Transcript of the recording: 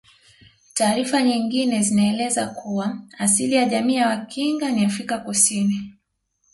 Taarifa nyingine zinaeleza kuwa asili ya jamii ya Wakinga ni Afrika Kusini